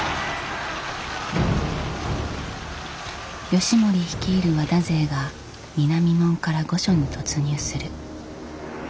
義盛率いる和田勢が南門から御所に突入する。